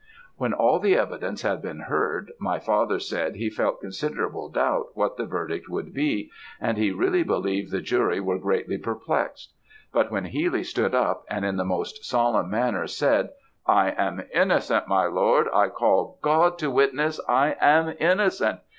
"When all the evidence had been heard, my father said he felt considerable doubt what the verdict would be, and he really believed the jury were greatly perplexed; but when Healy stood up, and in the most solemn manner said, 'I am innocent, my Lord! I call God to witness, I am innocent!